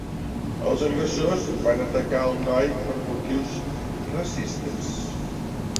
Els agressors van atacar al noi per motius racistes